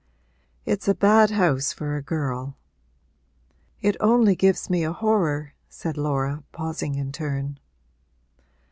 'It's a bad house for a girl.' 'It only gives me a horror,' said Laura, pausing in turn.